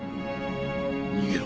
逃げろ。